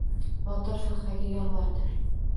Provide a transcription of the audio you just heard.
Botir firqaga yolvordi.